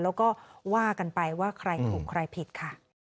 แล้วก็ว่ากันไปว่าใครถูกใครผิดค่ะ